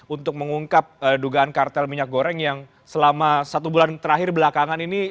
untuk mengungkap dugaan kartel minyak goreng yang selama satu bulan terakhir belakangan ini